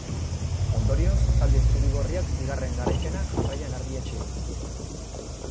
Ondorioz, talde zuri-gorriak bigarren garaipena jarraian erdietsi du.